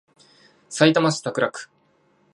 さいたま市桜区